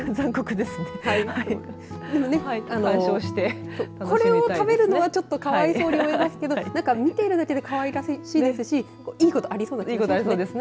でもね、これを食べるのはちょっとかわいそうに思いますけど見ているだけでかわいらしいですしいいことありそうですね。